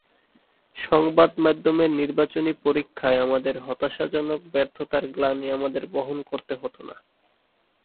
সংবাদমাধ্যমের নির্বাচনী পরীক্ষায় আমাদের হতাশাজনক ব্যর্থতার গ্লানি আমাদের বহন করতে হতো না।